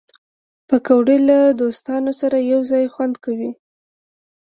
پکورې له دوستانو سره یو ځای خوند کوي